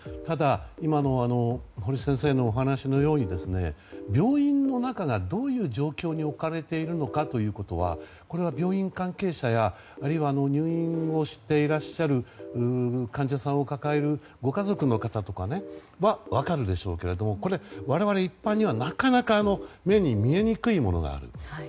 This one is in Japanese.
ただ、今の堀先生のお話のように病院の中がどういう状況に置かれているかということはこれは病院関係者や入院をしていらっしゃる患者さんを抱えるご家族の方とかは分かるでしょうけれどもこれ、我々一般にはなかなか目に見えにくいものがある。